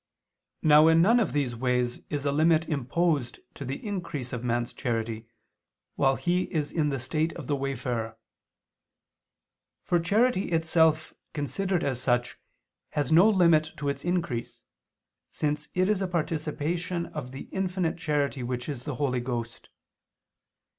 Now, in none of these ways, is a limit imposed to the increase of man's charity, while he is in the state of the wayfarer. For charity itself considered as such has no limit to its increase, since it is a participation of the infinite charity which is the Holy Ghost.